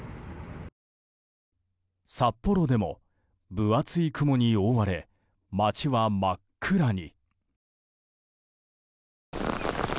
札幌でも、分厚い雲に覆われ街は真っ暗に。